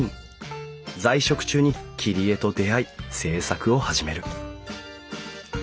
在職中に切り絵と出会い制作を始める。